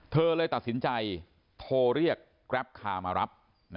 เธอเลยตัดสินใจโทรเรียกแกรปคามารับ